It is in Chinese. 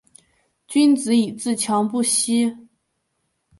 君子以自强不息